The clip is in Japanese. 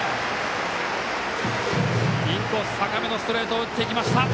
インコース高めのストレート打っていきました。